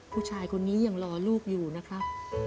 ผู้ชายคนนี้ยังรอลูกอยู่นะครับ